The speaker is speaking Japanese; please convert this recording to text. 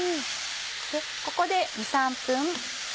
ここで２３分